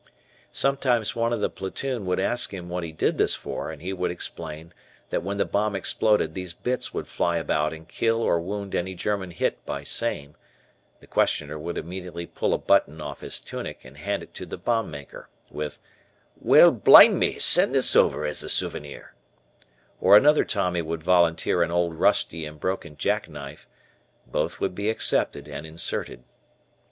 Perhaps one of the platoon would ask him what he did this for, and he would explain that when the bomb exploded these bits would fly about and kill or wound any German hit by same; the questioner would immediately pull a button off his tunic and hand it to the bomb maker with, "Well, blime me, send this over as a souvenir," or another Tommy would volunteer an old rusty and broken jackknife; both would be accepted and inserted.